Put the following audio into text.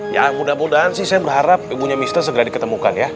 ya mudah mudahan sih saya berharap ibunya mister segera diketemukan ya